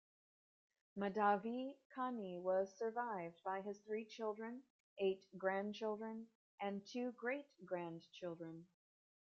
Mahdavi Kani was survived by his three children, eight grandchildren and two great-grandchildren.